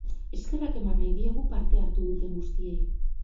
Eskerrak eman nahi diegu parte hartu duten guztiei.